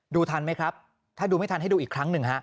ทันไหมครับถ้าดูไม่ทันให้ดูอีกครั้งหนึ่งฮะ